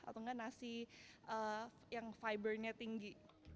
atau enggak nasi yang fibernya tinggi